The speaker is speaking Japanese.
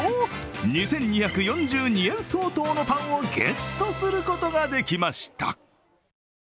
２２４２円相当のパンをゲットすることができました。